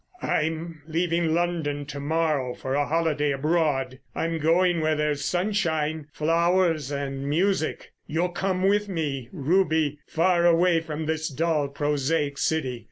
"I'm leaving London to morrow for a holiday abroad. I'm going where there's sunshine, flowers, and music. You'll come with me, Ruby—far away from this dull, prosaic city.